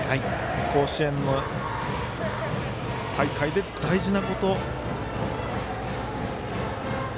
甲子園の大会で大事なこと。